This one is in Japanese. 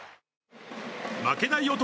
負けない男